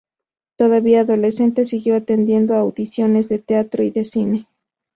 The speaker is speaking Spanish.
Todavía adolescente, siguió atendiendo a audiciones de teatro y de cine.